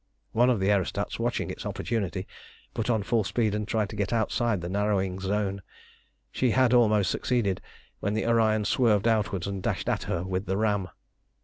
One of the aerostats, watching its opportunity, put on full speed and tried to get outside the narrowing zone. She had almost succeeded, when the Orion swerved outwards and dashed at her with the ram.